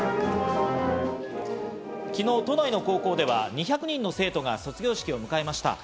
昨日、都内の高校では２００人の生徒が卒業式を迎えました。